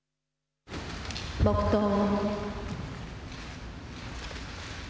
黙とう。